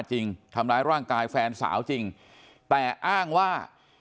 ร่างกายแฟนสาวจริงแต่อ้างว่า